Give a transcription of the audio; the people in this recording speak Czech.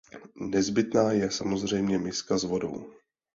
Nezbytná je samozřejmě miska s vodou.